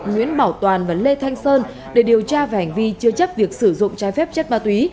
nguyễn bảo toàn và lê thanh sơn để điều tra về hành vi chưa chấp việc sử dụng trái phép chất ma túy